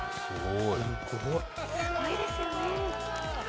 すごいですよね。